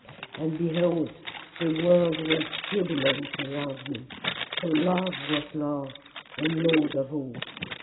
And behold, the world was jubilant around me, for Love was Love and Lord of all.